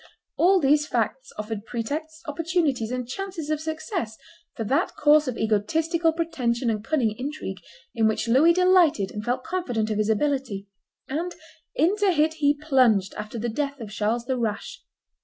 All these facts offered pretexts, opportunities, and chances of success for that course of egotistical pretension and cunning intrigue in which Louis delighted and felt confident of his ability; and into it he plunged after the death of Charles the Rash.